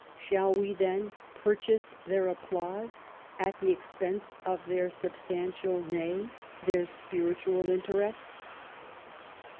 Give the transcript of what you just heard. Shall we then purchase their applause at the expense of their substantial, nay, their spiritual interests